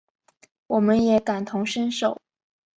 我们也感同身受